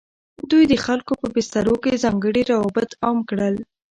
دوی د خلکو په بسترو کې ځانګړي روابط عام کړل.